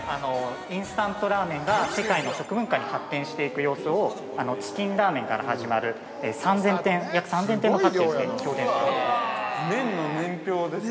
インスタントラーメンが世界の食文化に発展していく様子をチキンラーメンから始まる約３０００点のパッケージで表現しております。